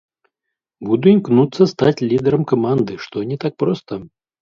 Буду імкнуцца стаць лідарам каманды, што не так проста.